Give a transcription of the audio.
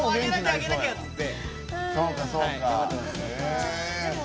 あげなきゃって。